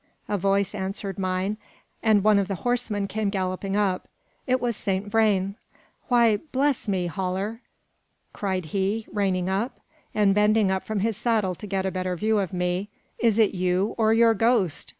A voice answered mine, and one of the horsemen came galloping up; it was Saint Vrain. "Why, bless me, Haller!" cried he, reining up, and bending from his saddle to get a better view of me, "is it you or your ghost?